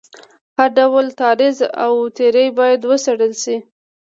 هر ډول تعرض او تیری باید وڅېړل شي.